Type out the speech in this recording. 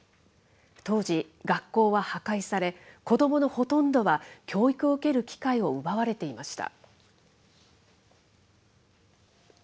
当時、学校は破壊され、子どものほとんどは教育を受ける機会を奪われていました。